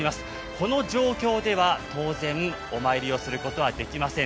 この状況では当然、お参りをすることができません。